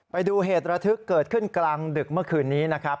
ไปดูเหตุระทึกเกิดขึ้นกลางดึกเมื่อคืนนี้นะครับ